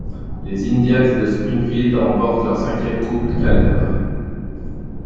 Les Indians de Springfield remportent leur cinquième coupe Calder.